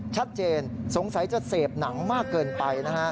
ชัดเจนสงสัยจะเสพหนังมากเกินไปนะฮะ